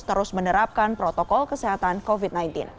terus menerapkan protokol kesehatan covid sembilan belas